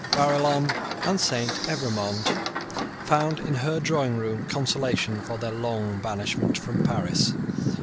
Barillon and Saint Evremond found in her drawing room consolation for their long banishment from Paris.